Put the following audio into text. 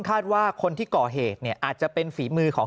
คาดว่าคนที่ก่อเหตุเนี่ยอาจจะเป็นฝีมือของ